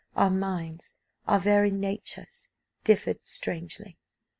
Our minds, our very natures differed strangely.